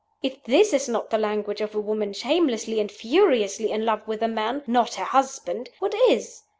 If this is not the language of a woman shamelessly and furiously in love with a man not her husband what is?